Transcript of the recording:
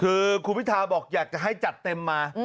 คือคุณพิทาบอกอยากจะให้จัดเต็มมา